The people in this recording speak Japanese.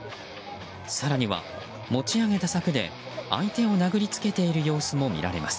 更には、持ち上げた柵で相手を殴りつけている様子も見られます。